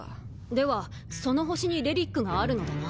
ではその星に遺物があるのだな？